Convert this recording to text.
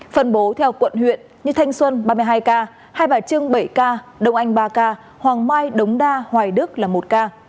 phân bố theo quận huyện như thanh xuân ba mươi hai ca hai bà trưng bảy ca đông anh ba ca hoàng mai đống đa hoài đức là một ca